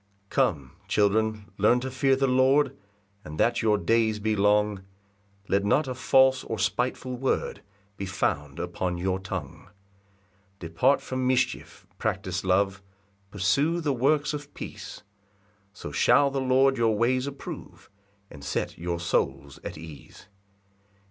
1 Come, children, learn to fear the Lord; And that your days be long, Let not a false or spiteful word Be found upon your tongue. 2 Depart from mischief, practise love, Pursue the works of peace; So shall the Lord your ways approve, And set your souls at ease.